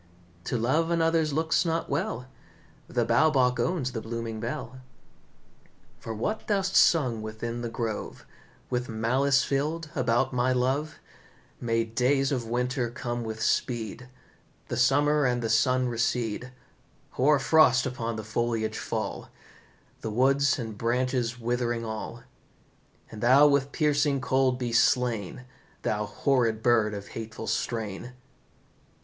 To love another's looks not well, The Bow Bach owns the blooming belle." "For what thou'st sung within the grove, With malice filled, about my love, May days of winter come with speed, The summer and the sun recede; Hoar frost upon the foliage fall, The wood and branches withering all. And thou with piercing cold be slain, Thou horrid bird of hateful strain!"